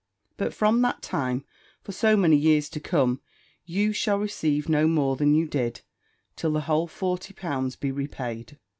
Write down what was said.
But from that time, for so many years to come, you shall receive no more than you did, till the whole forty pounds be repaid.